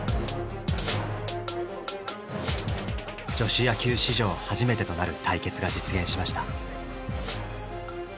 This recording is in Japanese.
女子野球史上初めてとなる対決が実現しました。